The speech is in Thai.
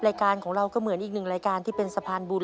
รายการของเราก็เหมือนอีกหนึ่งรายการที่เป็นสะพานบุญ